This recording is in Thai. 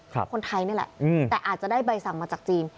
คนไทยนี่แหละแต่อาจจะได้ใบสั่งมาจากจีน